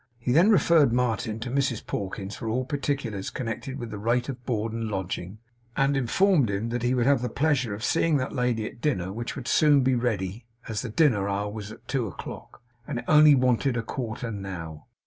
He then referred Martin to Mrs Pawkins for all particulars connected with the rate of board and lodging, and informed him that he would have the pleasure of seeing that lady at dinner, which would soon be ready, as the dinner hour was two o'clock, and it only wanted a quarter now.